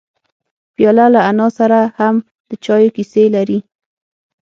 پیاله له انا سره هم د چایو کیسې لري.